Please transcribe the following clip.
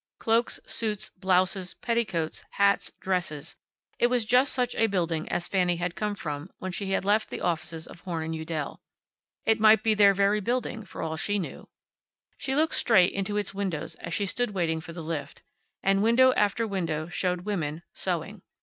Cloaks, suits, blouses, petticoats, hats, dresses it was just such a building as Fanny had come from when she left the offices of Horn & Udell. It might be their very building, for all she knew. She looked straight into its windows as she stood waiting for the lift. And window after window showed women, sewing.